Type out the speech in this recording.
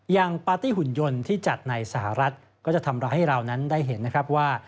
ปาร์ตี้หุ่นยนต์ที่จัดในสหรัฐก็จะทำให้เรานั้นได้เห็นนะครับว่า